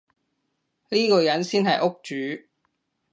呢個人先係屋主